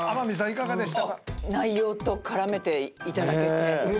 いかがでした？